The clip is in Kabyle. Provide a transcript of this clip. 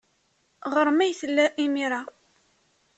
Ɣer-m ay tella imir-a.